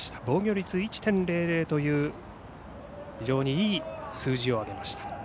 防御率１．００という非常にいい数字を挙げました。